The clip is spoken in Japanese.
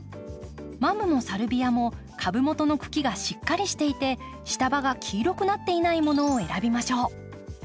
マムもサルビアも株元の茎がしっかりしていて下葉が黄色くなっていないものを選びましょう。